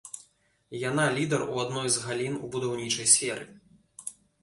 Яна лідар у адной з галін у будаўнічай сферы.